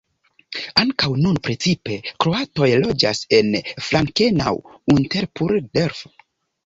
Ankaŭ nun precipe kroatoj loĝas en Frankenau-Unterpullendorf.